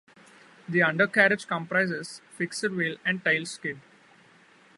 The undercarriage comprises fixed wheel and tailskid.